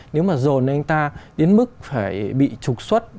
nếu mà dồn anh ta đến mức phải bị trục xuất